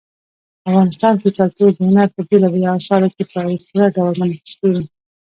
افغانستان کې کلتور د هنر په بېلابېلو اثارو کې په پوره ډول منعکس کېږي.